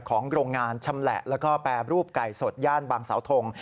โรงงานชำแหละแล้วก็แปรรูปไก่สดย่านบางสาวทง